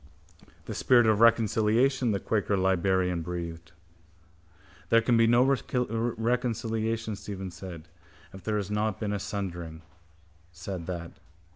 —The spirit of reconciliation, the quaker librarian breathed. —There can be no reconciliation, Stephen said, if there has not been a sundering. Said that.